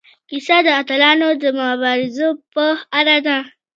کیسه د اتلانو د مبارزو په اړه ده.